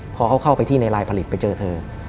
พอเขาเข้าไปที่ในลายผลิตไปเจอเธอ